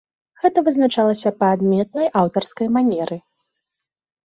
Гэта вызначылася па адметнай аўтарскай манеры.